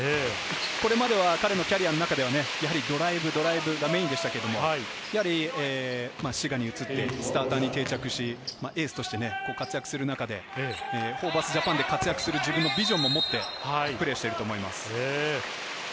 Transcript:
これまでは彼のキャリアの中ではドライブ・ドライブがメインでしたけど、滋賀に移って、スターターに定着し、エースとして活躍する中で、ホーバスＪＡＰＡＮで活躍する自分のビジョンも持ってプレーしていると思います。